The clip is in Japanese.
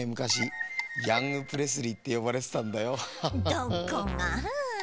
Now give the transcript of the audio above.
どこが？